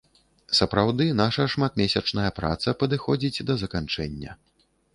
Сапраўды, наша шматмесячная праца падыходзіць да заканчэння.